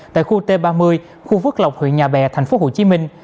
tại khu t ba mươi khu phước lộc huyện nhà bè thành phố hồ chí minh